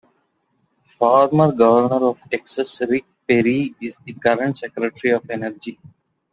Former Governor of Texas Rick Perry is the current Secretary of Energy.